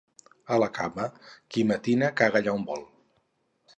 A la Cava, qui matina caga allà on vol.